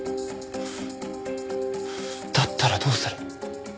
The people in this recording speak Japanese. だったらどうする？